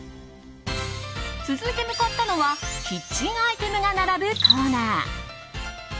続いて向かったのはキッチンアイテムが並ぶコーナー。